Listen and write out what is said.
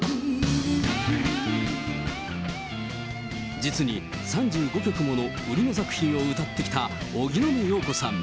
実に３５曲もの売野作品を歌ってきた荻野目洋子さん。